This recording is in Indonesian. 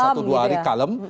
satu dua hari kalem